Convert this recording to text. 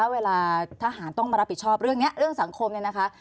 เวลาทหารต้องมารับผิดชอบเรื่องนี้เรื่องสังคมเนี่ยนะคะ